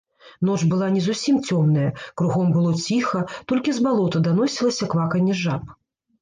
Ноч была не зусім цёмная, кругом было ціха, толькі з балота даносілася кваканне жаб.